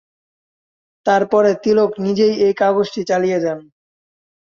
তারপরে তিলক নিজেই এই কাগজটি চালিয়ে যান।